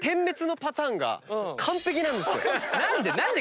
何で？